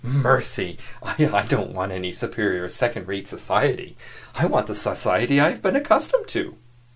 MERCI! I don't want any superior second rate society. I want the society that I have been accustomed to."